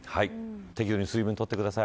適度に水分を取ってください。